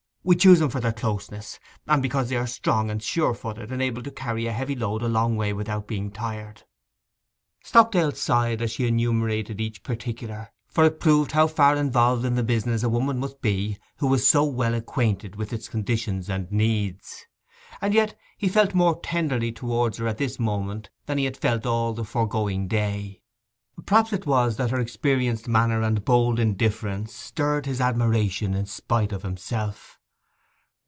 'We choose 'em for their closeness, and because they are strong and surefooted, and able to carry a heavy load a long way without being tired.' Stockdale sighed as she enumerated each particular, for it proved how far involved in the business a woman must be who was so well acquainted with its conditions and needs. And yet he felt more tenderly towards her at this moment than he had felt all the foregoing day. Perhaps it was that her experienced manner and hold indifference stirred his admiration in spite of himself.